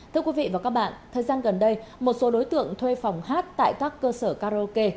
thưa quý vị và các bạn thời gian gần đây một số đối tượng thuê phòng hát tại các cơ sở karaoke